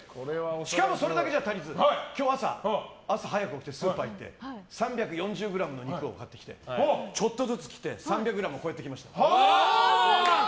しかもそれだけじゃ足りず今日朝早く起きてスーパー行って３４０ｇの肉を買ってきてちょっとずつ切って３００ｇをこうやってきました。